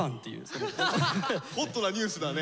ホットなニュースだね。